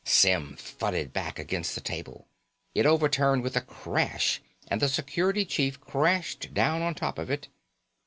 Symm thudded back against the table. It overturned with a crash and the Security Chief crashed down on top of it.